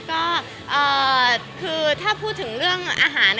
ก็คือถ้าพูดถึงเรื่องอาหาร